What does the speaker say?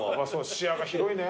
視野が広いね。